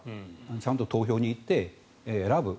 ちゃんと投票に行って選ぶ。